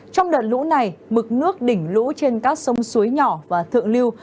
trong đợt lũ này mực nước đỉnh lũ trên các sông suối nhỏ và thượng lưu